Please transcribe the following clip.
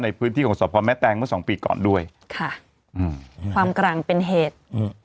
ในพื้นที่ของสอบความแม่แตงเมื่อ๒ปีก่อนด้วยค่ะความกรั่งเป็นเหตุ